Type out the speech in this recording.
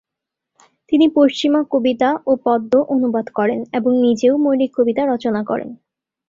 তিনি পশ্চিমা কবিতা ও পদ্য অনুবাদ করেন এবং নিজেও মৌলিক কবিতা রচনা করেন।